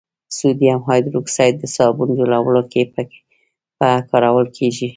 سودیم هایدروکساید د صابون جوړولو کې په کار وړل کیږي.